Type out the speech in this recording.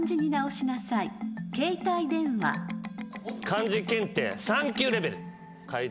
漢字検定３級レベル。